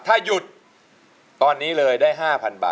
สวัสดีครับ